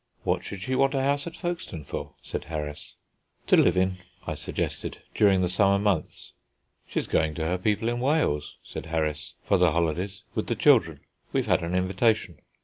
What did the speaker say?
"What should she want a house at Folkestone for?" said Harris. "To live in," I suggested, "during the summer months." "She's going to her people in Wales," said Harris, "for the holidays, with the children; we've had an invitation."